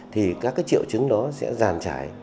thì các triệu chứng đó sẽ giàn trải